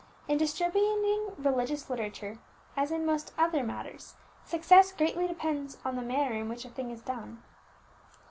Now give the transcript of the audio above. In distributing religious literature, as in most other matters, success greatly depends on the manner in which a thing is done.